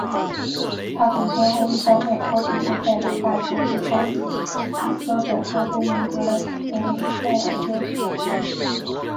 他曾先后为丹麦超级联赛两大球会邦比与哥本哈根赢得联赛锦标。